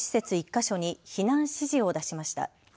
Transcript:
１か所に避難指示を出しました。